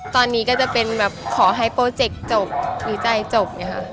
ตอนนี้ก็จะเป็นขอให้โปรเจคจบมีใจจบ